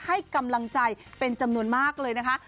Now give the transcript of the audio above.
ให้กำลังใจเป็นจำนวนมากเลยนะคะ